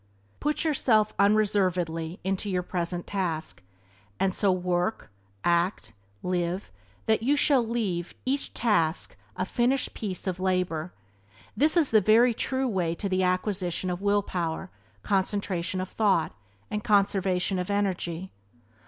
Put yourself unreservedly into your present task, and so work, so act, so live that you shall leave each task a finished piece of labour — this is the true way to the acquisition of will power, concentration of thought, and conservation of energy.